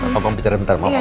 papa mau bicara sebentar ma